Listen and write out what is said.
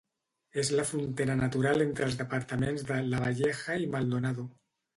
És la frontera natural entre els departaments de Lavalleja i Maldonado.